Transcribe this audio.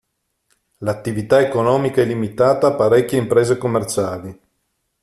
L'attività economica è limitata a parecchie imprese commerciali.